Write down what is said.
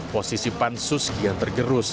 posisi pansus kian tergerus